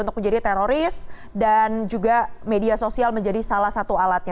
untuk menjadi teroris dan juga media sosial menjadi salah satu alatnya